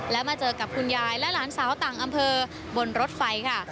และมาเจอกับคุณยายและหลานสาวต่างอำเภอบนรถไฟค่ะ